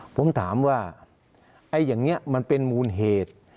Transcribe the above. ผมถามว่าไอ้อย่างนี้มันเป็นมูลเหตุ